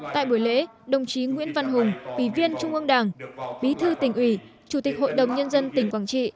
tại buổi lễ đồng chí nguyễn văn hùng ủy viên trung ương đảng bí thư tỉnh ủy chủ tịch hội đồng nhân dân tỉnh quảng trị